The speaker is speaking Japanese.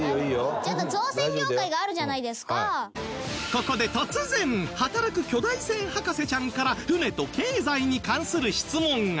ここで突然働く巨大船博士ちゃんから船と経済に関する質問が